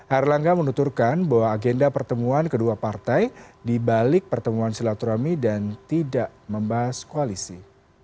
air langga menuturkan bahwa agenda pertemuan kedua partai dibalik pertemuan silaturahmi dan tidak membahas koalisi